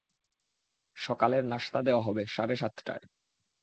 সকালের নাশতা দেওয়া হবে সাড়ে সাতটায়।